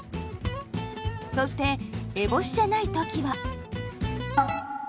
そして烏帽子じゃない時は。